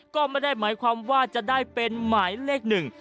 ก็ไม่ได้หมายความว่าจะได้เป็นหมายเลขหนึ่ง